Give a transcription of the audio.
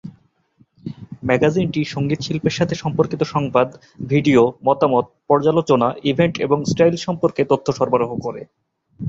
ম্যাগাজিনটি সংগীত শিল্পের সাথে সম্পর্কিত সংবাদ, ভিডিও, মতামত, পর্যালোচনা, ইভেন্ট এবং স্টাইল সম্পর্কে তথ্য সরবরাহ করে।